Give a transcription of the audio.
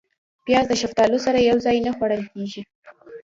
پیاز د شفتالو سره یو ځای نه خوړل کېږي